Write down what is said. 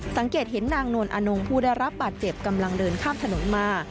สังเกตเห็นนางนวลอนงผู้ได้รับบาดเจ็บกำลังเดินข้ามถนนมา